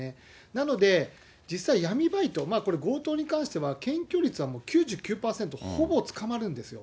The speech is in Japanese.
なので、実際、闇バイト、これ、強盗に関しては検挙率はもう９９％ほぼ捕まるんですよ。